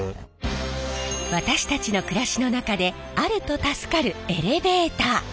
私たちの暮らしの中であると助かるエレベーター。